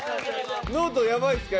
ノートやばいですか？